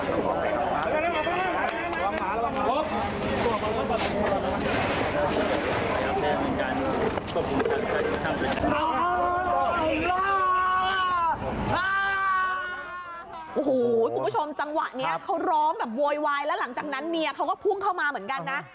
โอ้โหคุณผู้ชมจังหวะนี้เขาร้องแบบโวยวายแล้วหลังจากนั้นเมียเขาก็พุ่งเข้ามาเหมือนกันนะ